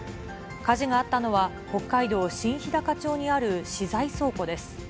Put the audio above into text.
火事があったのは、北海道新ひだか町にある資材倉庫です。